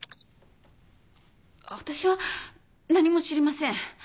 私は何も知りません。